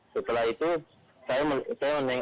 setelah itu saya menoleng ke kiri ternyata ada api